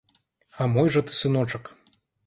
А мой жа ты сыночак!